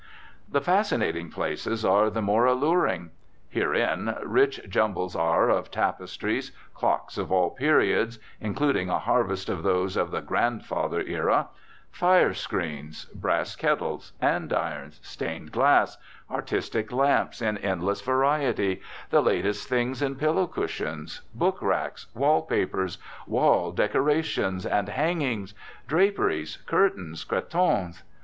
The fascinating places are the more alluring. Herein rich jumbles are, of tapestries, clocks of all periods including a harvest of those of the "grandfather" era fire screens, brass kettles, andirons, stained glass, artistic lamps in endless variety, the latest things in pillow cushions, book racks, wall papers, wall "decorations" and "hangings," draperies, curtains, cretonnes.